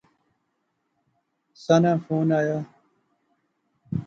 سناں فون آیا